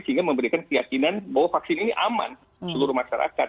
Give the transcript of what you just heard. sehingga memberikan keyakinan bahwa vaksin ini aman seluruh masyarakat